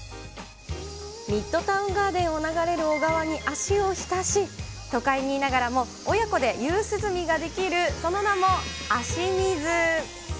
ミッドタウンガーデンを流れる小川に足を浸し、都会にいながらも、親子で夕涼みができる、その名も、アシミズ。